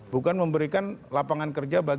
bukan memberikan lapangan kerja